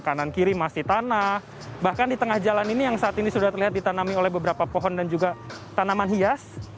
kanan kiri masih tanah bahkan di tengah jalan ini yang saat ini sudah terlihat ditanami oleh beberapa pohon dan juga tanaman hias